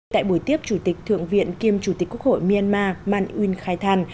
tại buổi tiếp chủ tịch thượng viện kiêm chủ tịch quốc hội myanmar man yuen khai than